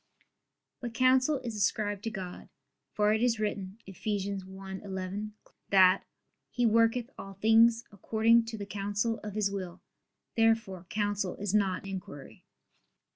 But counsel is ascribed to God: for it is written (Eph. 1:11) that "He worketh all things according to the counsel of His will." Therefore counsel is not inquiry.